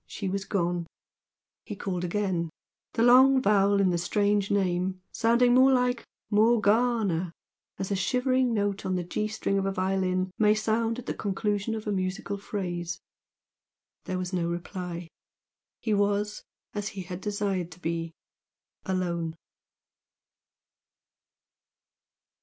She was gone. He called again, the long vowel in the strange name sounding like "Mor ga ar na" as a shivering note on the G string of a violin may sound at the conclusion of a musical phrase. There was no reply. He was as he had desired to be, alone.